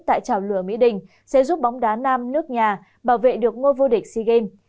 tại trào lửa mỹ đình sẽ giúp bóng đá nam nước nhà bảo vệ được ngôi vô địch sea games